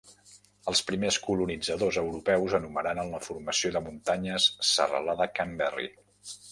Els primers colonitzadors europeus anomenaren la formació de muntanyes Serralada Canberry.